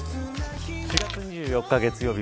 ４月２４日月曜日